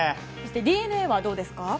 ＤｅＮＡはどうですか。